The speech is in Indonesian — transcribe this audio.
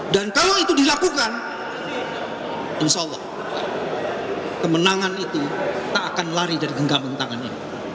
dan kalau itu dilakukan insya allah kemenangan itu tak akan lari dari genggaman tangan ini